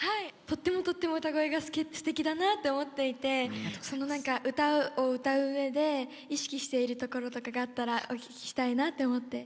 とってもとっても歌声がすてきだなと思っていてその何か歌を歌う上で意識しているところとかがあったらお聞きしたいなと思って。